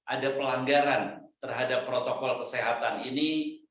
ada pelanggaran terhadap protokol kesehatan ini